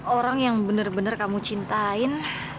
orang yang bener bener kamu cintain